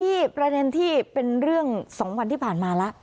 นี่ประเด็นที่เป็นเรื่อง๒วันที่ผ่านมาแล้ว